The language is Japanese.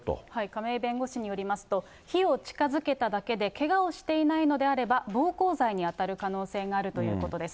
亀井弁護士によりますと、火を近づけただけで、けがをしていないのであれば、暴行罪に当たる可能性があるということです。